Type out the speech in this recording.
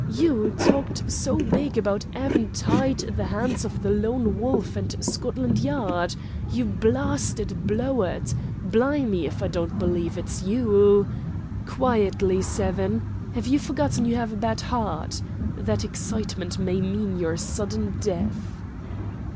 —you 'oo talked so big about 'avin' tied the 'ands of the Lone Wolf and Scotland Yard! You blarsted blow'ard! Bli'me if I don't believe it's you 'oo—" "Quietly, Seven! Have you forgotten you have a bad heart?—that excitement may mean your sudden death?"